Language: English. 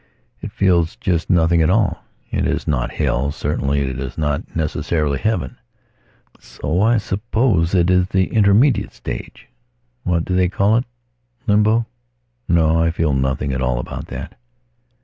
It feels just nothing at all. It is not Hell, certainly it is not necessarily Heaven. So I suppose it is the intermediate stage. What do they call it? Limbo. No, I feel nothing at all about that.